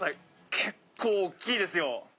結構大きいですよ。